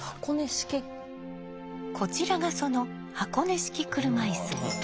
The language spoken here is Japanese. こちらがその箱根式車椅子。